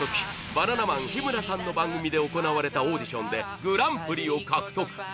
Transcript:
バナナマン日村さんの番組で行われたオーディションでグランプリを獲得。